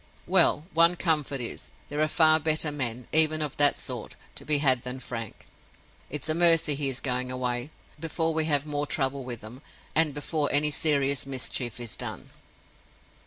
Well! one comfort is, there are far better men, even of that sort, to be had than Frank. It's a mercy he is going away, before we have more trouble with them, and before any serious mischief is done."